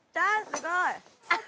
すごい。